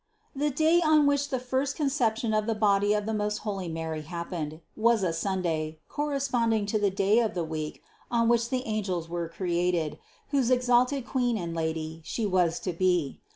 219. The day on which the first Conception of the body of the most holy Mary happened, was a Sunday, corresponding to the day of the week on which the an gels were created, whose exalted Queen and Lady She was to be.